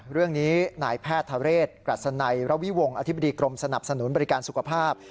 เรื่องนี้นายแพทย์ทะเรศกรัศนัยระวิวงศ์อธิบดีกรมสนับสนุนบริการสุขภาพ